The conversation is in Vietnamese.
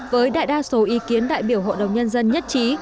với đại đa số ý kiến đại biểu hội đồng nhân dân nhất trí